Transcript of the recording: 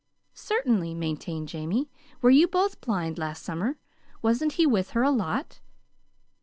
"Certainly," maintained Jamie. "Were you both blind last summer? Wasn't he with her a lot?"